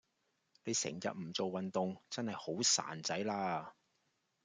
你成日唔做運動真係好孱仔啦